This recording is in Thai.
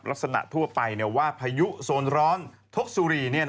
ลักษณะทั่วไปว่าพายุโซนร้อนทกสุรี